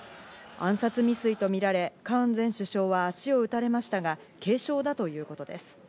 暗殺未遂とみられ、カーン前首相は足を撃たれましたが軽傷だということです。